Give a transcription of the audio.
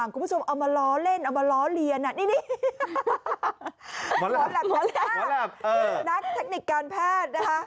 นี่หมอนแหลบหมอนแหลบนักเทคนิคการแพทย์นะคะ